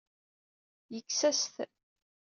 Yekkes-as-t.